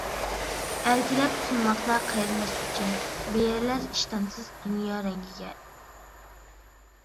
ئەركىلەپ سۇنماقتا قېرىنداش ئۇچى، بېرىلەر ئىشتانسىز دۇنيا رەڭگىگە.